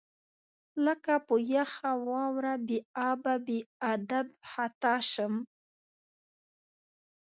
لکه په یخ واوره بې ابه، بې ادب خطا شم